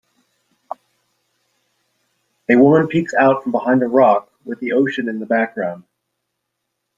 A woman peeks out from behind a rock with the ocean in the background.